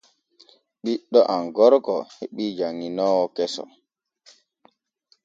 Ɓiɗɗo am gorko heɓi janŋinoowo keso.